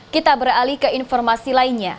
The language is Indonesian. kita beralih ke informasi lainnya